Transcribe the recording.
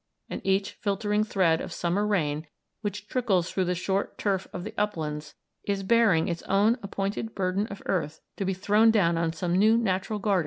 and each filtering thread of summer rain which trickles through the short turf of the uplands is bearing its own appointed burden of earth to be thrown down on some new natural garden in the dingles below."